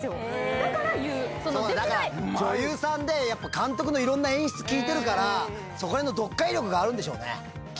だから女優さんでやっぱ監督のいろんな演出聞いてるからそこら辺の読解力があるんでしょうね。